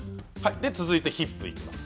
続いてヒップにいきます。